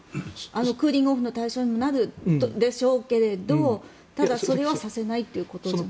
クーリングオフの対象にもなるんでしょうけれどただ、それはさせないということです。